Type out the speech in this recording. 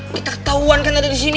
kita ketahuan kan ada di sini